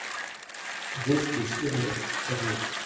Route de Schirmeck, Strasbourg